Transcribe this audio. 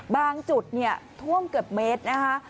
บางจุดท่วมเกือบเมตรนะฮะ